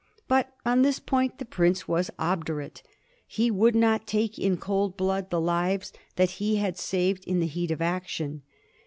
But on this point the prince was obdurate. He would not take in cold blood the lives that he had saved in the heat of action.